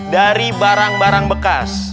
dari barang barang bekas